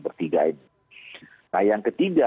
bertiga ini nah yang ketiga